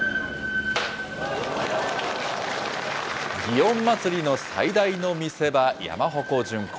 祇園祭の最大の見せ場、山鉾巡行。